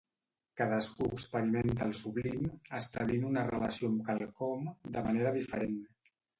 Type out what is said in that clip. Cadascú experimenta el sublim establint una relació amb quelcom, de manera diferent.